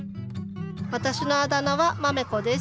わたしのあだ名は「まめ子」です。